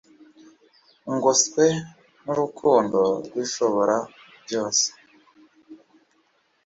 ngoswe n'urukundo rw'ishobora byose